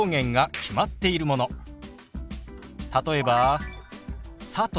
例えば「佐藤」。